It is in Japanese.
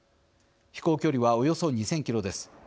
飛行距離はおよそ２，０００キロです。